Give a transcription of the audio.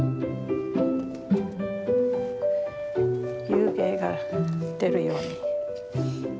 湯気が出るように。